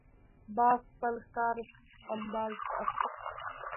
باز خپل ښکار سمبال ساتي